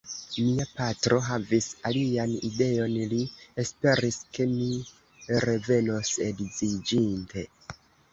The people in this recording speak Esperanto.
Mia patro havis alian ideon: li esperis, ke mi revenos edziĝinte.